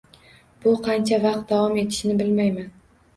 Bu qancha vaqt davom etishini bilmayman